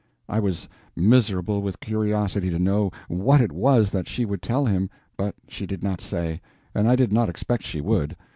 I was miserable with curiosity to know what it was that she would tell him, but she did not say, and I did not expect she would.